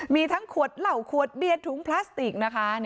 มีถ้างหล่าขวดเบียดถุงพลาสติกนะคะ